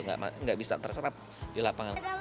nggak bisa terserap di lapangan